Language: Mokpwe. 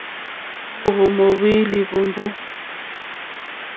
Móǒhwò móóhwì lìhwùmbú.